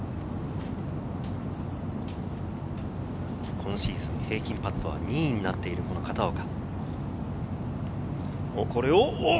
今シーズン平均パットは２位になっている片岡。